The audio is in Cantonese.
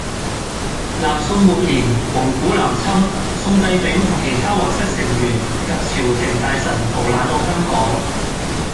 南宋末年，蒙古南侵，宋帝昺同其它皇室成員以及朝廷大臣逃難到香港